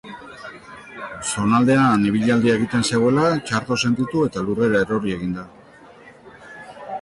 Zonaldean ibilaldia egiten zegoela, txarto sentitu eta lurrera erori egin da.